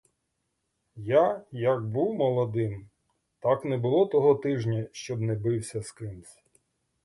Я як був молодим, так не було того тижня, щоб не бився з кимсь.